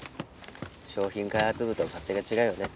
商品開発部とは勝手が違うよね。